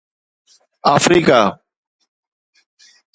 Africa